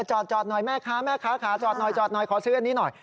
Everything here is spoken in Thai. จอดหน่อยแม่ค้าจอดหน่อยขอซื้ออันนี้หน่อย